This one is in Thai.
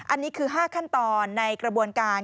อันนี้คือ๕ขั้นตอนในกระบวนการ